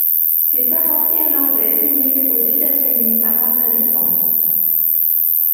Ses parents irlandais immigrent aux États-Unis avant sa naissance.